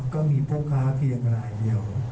ก็มีผู้ค้าเทียงหลายเดี่ยว